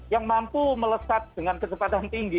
yang mampu melesat dengan kecepatan tinggi